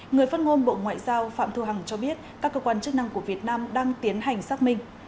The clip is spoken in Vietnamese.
người phát ngôn bộ ngoại giao phạm thu hằng cho biết các cơ quan chức năng của việt nam đang tiến hành xác minh